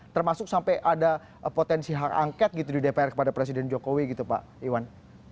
termasuk sampai ada potensi hak angket gitu di dpr kepada presiden jokowi gitu pak iwan